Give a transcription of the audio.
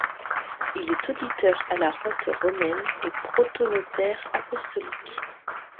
Il est auditeur à la Rote romaine et protonotaire apostolique.